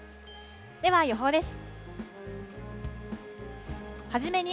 では予報です。